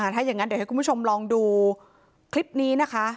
ถ้าอย่างนั้นเดี๋ยวให้คุณผู้ชมลองดูคลิปนี้นะคะ